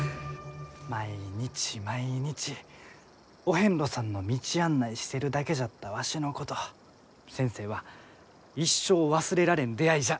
毎日毎日お遍路さんの道案内してるだけじゃったわしのこと先生は「一生忘れられん出会いじゃ」